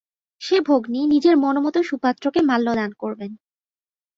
সে ভগ্নী নিজের মনোমত সুপাত্রকে মাল্যদান করবেন।